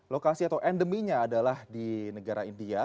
lokasi atau endeminya adalah di negara india